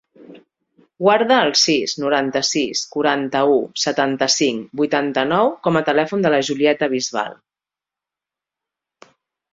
Guarda el sis, noranta-sis, quaranta-u, setanta-cinc, vuitanta-nou com a telèfon de la Julieta Bisbal.